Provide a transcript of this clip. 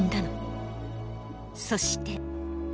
そして。